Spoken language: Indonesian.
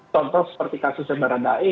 contoh seperti kasus yang beranda ae